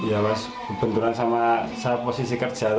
ya mas benturan sama saya posisi kerja